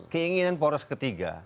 keinginan poros ketiga